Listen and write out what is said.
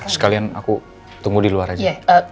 sekalian aku tunggu di luar aja